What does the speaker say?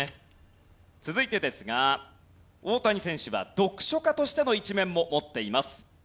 続いてですが大谷選手は読書家としての一面も持っています。